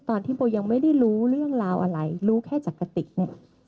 ตอนที่โบยังไม่ได้รู้เรื่องราวอะไรรู้แค่จากกะติกเนี่ย